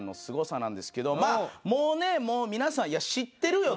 もうね皆さんいや知ってるよと。